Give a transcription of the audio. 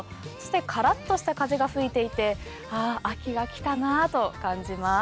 カラッとした風が吹いていて秋が来たなと感じます。